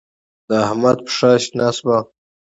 د احمد پښه شنه شوه.